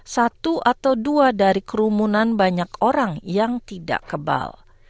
satu atau dua dari kerumunan banyak orang yang tidak kebal